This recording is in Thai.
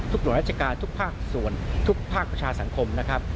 หน่วยราชการทุกภาคส่วนทุกภาคประชาสังคมนะครับ